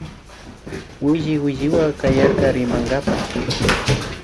Williwilliwan kayarka rimankapa